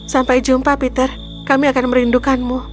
sampai jumpa peter kami akan merindukanmu